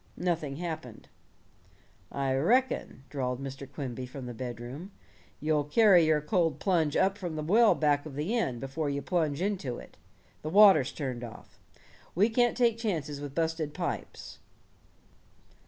Nothing happened. "I reckon," drawled Mr. Quimby from the bedroom, "you'll carry your cold plunge up from the well back of the inn before you plunge into it. The water's turned off. We can't take chances with busted pipes."